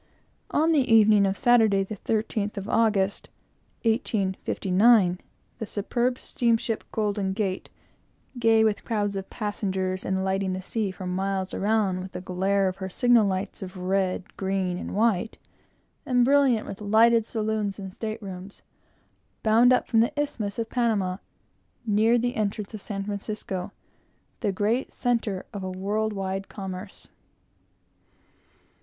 On the evening of Saturday, the 13th of August, 1859, the superb steamship Golden Gate, gay with crowds of passengers, and lighting the sea for miles around with the glare of her signal lights of red, green, and white, and brilliant with lighted saloons and staterooms, bound up from the Isthmus of Panama, neared the entrance to San Francisco, the great centre of a world wide commerce.